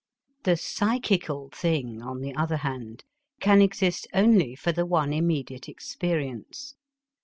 The psychical thing, on the other hand, can exist only for the one immediate experience.